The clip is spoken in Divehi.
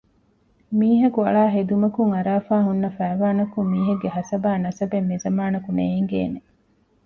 މީހަކު އަޅާ ހެދުމަކުން އަރާފައި ހުންނަ ފައިވާނަކުން މީހެއްގެ ހަސަބާއި ނަސަބެއް މިޒަމާނަކު ނޭންގޭނެ